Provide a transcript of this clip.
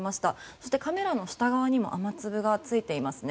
そしてカメラの下側にも雨粒がついていますね。